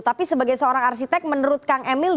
tapi sebagai seorang arsitek menurut kang emil